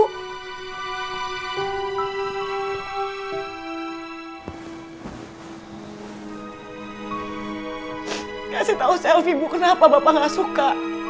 kasih tahu selfie bu kenapa bapak gak suka